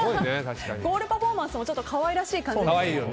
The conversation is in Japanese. ゴールパフォーマンスもちょっと可愛らしい感じですよね。